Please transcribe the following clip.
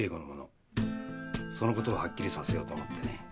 そのことははっきりさせようと思ってね。